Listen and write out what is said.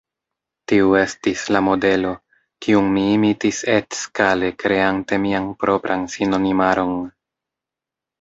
Tiu estis la modelo, kiun mi imitis etskale kreante mian propran sinonimaron.